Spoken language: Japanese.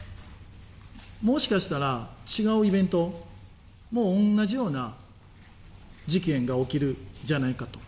もしかしたら違うイベントも同じような事件が起きるんじゃないかと。